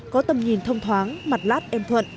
có tầm nhìn thông thoáng mặt lát em thuận